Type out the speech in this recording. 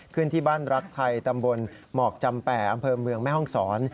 ขึ้นที่บ้านรักไทยตำบลหมอกจำแป่อำเภอเมืองแม่ห้องศร